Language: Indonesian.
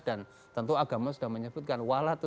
dan tentu agama sudah menyebutkan